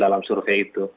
dalam survei itu